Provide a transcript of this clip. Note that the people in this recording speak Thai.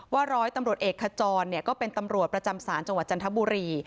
ร้อยตำรวจเอกขจรก็เป็นตำรวจประจำศาลจังหวัดจันทบุรี